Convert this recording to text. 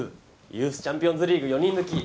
ユースチャンピオンズリーグ４人抜き。